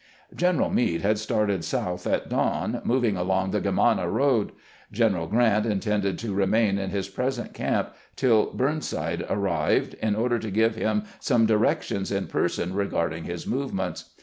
General Meade had started south at dawn, moving along the Germanna road. General Grant intended to remain in his present camp till Burnside arrived, in order to give him some directions in person regarding his movements.